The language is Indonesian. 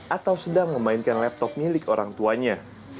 atau sedang memainkan laptop milik orang tuanya